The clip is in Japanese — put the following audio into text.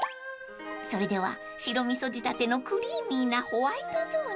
［それでは白味噌仕立てのクリーミーなホワイト雑煮］